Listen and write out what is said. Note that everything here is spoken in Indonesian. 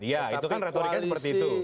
ya itu kan retoriknya seperti itu